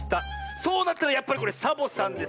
そうなったらやっぱりこれサボさんですね。